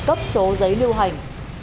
cấp số giấy lưu hành